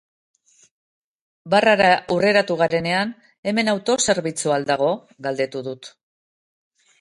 Barrara hurreratu garenean, hemen autozerbitzua al dago? Galdetu dut.